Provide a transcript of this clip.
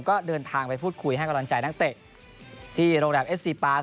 ก็เดินทางไปพูดคุยให้กำลังใจนักเตะที่โรงแรมเอสซีปาร์